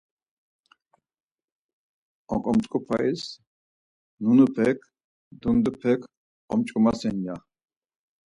Oǩomtzǩupais nunupek, dundupek omç̌ǩomasen ya.